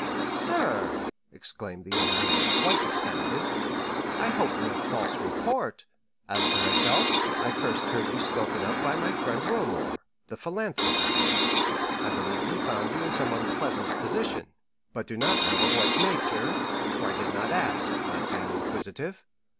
"Sir!" exclaimed the young man, quite astounded, "I hope no false report——" "As for myself, I first heard you spoken of by my friend Wilmore, the philanthropist. I believe he found you in some unpleasant position, but do not know of what nature, for I did not ask, not being inquisitive.